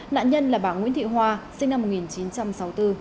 nạn nhân là bà nguyễn thị hoa sinh năm một nghìn chín trăm sáu mươi bốn